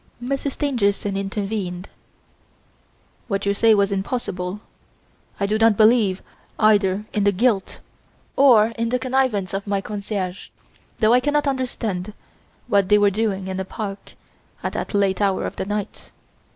Monsieur Stangerson intervened: "What you say was impossible. I do not believe either in the guilt or in the connivance of my concierges, though I cannot understand what they were doing in the park at that late hour of the night.